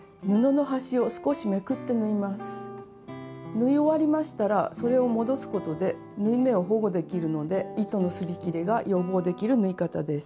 縫い終わりましたらそれを戻すことで縫い目を保護できるので糸のすり切れが予防できる縫い方です。